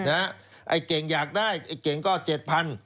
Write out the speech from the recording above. ไอ้เก่งอยากได้ไอ้เก่งก็๗๐๐บาท